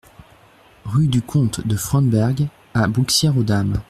Rue du Comte de Frawenberg à Bouxières-aux-Dames